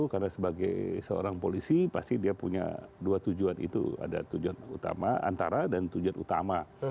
karena sebagai seorang polisi pasti dia punya dua tujuan itu ada tujuan utama antara dan tujuan utama